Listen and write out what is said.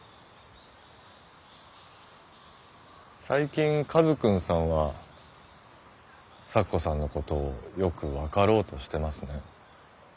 最近カズくんさんは咲子さんのことをよく分かろうとしてますね。